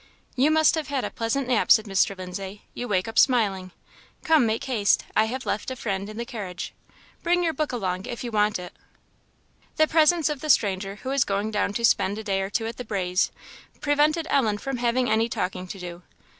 "You must have had a pleasant nap," said Mr. Lindsay; "you wake up smiling. Come make haste I have left a friend in the carriage. Bring your book along if you want it." The presence of the stranger, who was going down to spend a day or two at "the Braes," prevented Ellen from having any talking to do.